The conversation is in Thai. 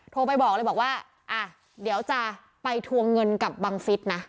โทรไปบอกเลยบอกว่าอ่ะเดี๋ยวจะไปทวงเงินกับบังฟิศนะ